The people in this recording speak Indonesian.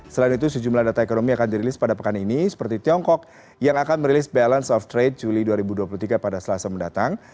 selain itu sejumlah data ekonomi akan dirilis pada pekan ini seperti tiongkok yang akan merilis balance of trade juli dua ribu dua puluh tiga pada selasa mendatang